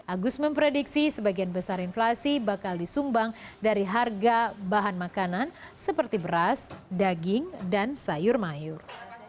agus memprediksi sebagian besar inflasi bakal disumbang dari harga bahan makanan seperti beras daging dan sayur mayur